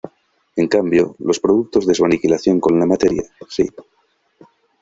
En cambio, los productos de su aniquilación con la materia, sí.